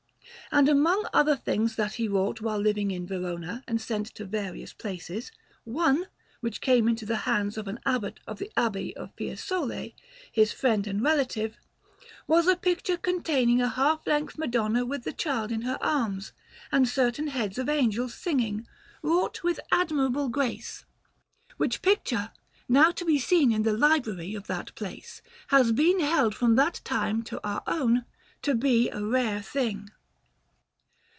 And among other things that he wrought while living in Verona and sent to various places, one, which came into the hands of an Abbot of the Abbey of Fiesole, his friend and relative, was a picture containing a half length Madonna with the Child in her arms, and certain heads of angels singing, wrought with admirable grace; which picture, now to be seen in the library of that place, has been held from that time to our own to be a rare thing.